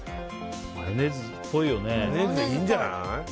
マヨネーズっぽいよね。